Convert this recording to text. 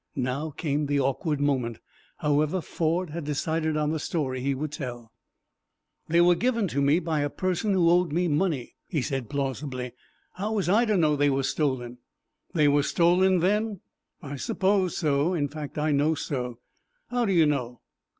Now came the awkward moment. However, Ford had decided on the story he would tell. "They were given me by a person who owed me money," he said, plausibly. "How was I to know they were stolen?" "They were stolen, then?" "I suppose so. In fact, I know so." "How do you know?"